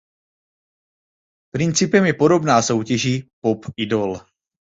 Principem je podobná soutěži "Pop Idol".